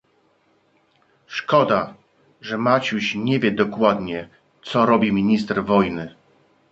"Szkoda, że Maciuś nie wie dokładnie, co robi minister wojny."